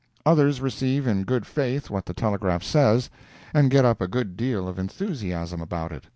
Others receive in good faith what the telegraph says, and get up a good deal of enthusiasm about it.